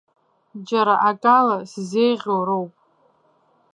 Џьара акала сзеиӷьу роуп.